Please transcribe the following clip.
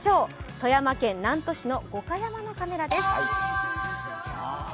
富山県南砺市の五箇山のカメラです。